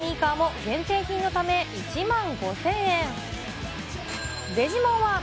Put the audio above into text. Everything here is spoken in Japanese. スニーカーも限定品のため１万５０００円。